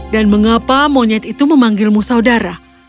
dan mengapa monyet itu memanggilmu saudara